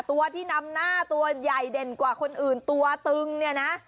ตัวที่นำหน้าตัวใหญ่เด่นกว่าคนอื่นตัวตึงเนี่ยนะ